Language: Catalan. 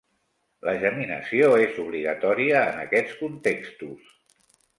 La geminació és obligatòria en aquests contextos.